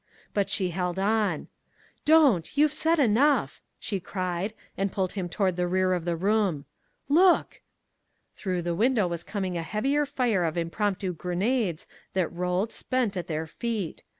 But she held on. "Don't you've said enough!" she cried, and pulled him toward the rear of the room. "Look!" Through the window was coming a heavier fire of impromptu grenades that rolled, spent, at their feet.